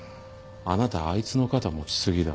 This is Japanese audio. あなたあいつの肩持ち過ぎだ。